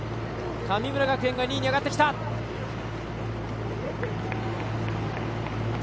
神村学園が２位に上がってきました。